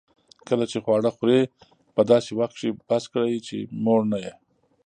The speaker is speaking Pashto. کله چي خواړه خورې؛ په داسي وخت کښې بس کړئ، چي موړ نه يې.